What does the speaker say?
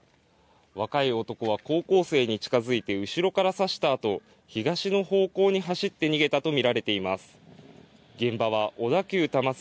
若い男は高校生に近づいて後ろから刺したあと、東の方向に走って逃げたと見られています。